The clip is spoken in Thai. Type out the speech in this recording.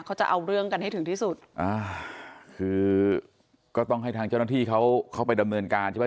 เขาจะเอาเรื่องกันให้ถึงที่สุดอ่าคือก็ต้องให้ทางเจ้าหน้าที่เขาเข้าไปดำเนินการใช่ไหม